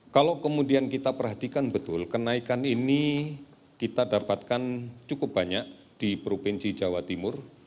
kalau kemudian kita perhatikan betul kenaikan ini kita dapatkan cukup banyak di provinsi jawa timur